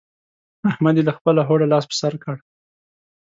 احمد يې له خپله هوډه لاس پر سر کړ.